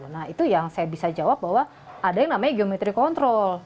nah itu yang saya bisa jawab bahwa ada yang namanya geometri control